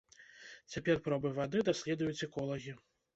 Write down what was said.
Цяпер пробы вады даследуюць эколагі.